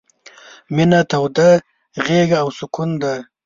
— مينه توده غېږه او سکون دی...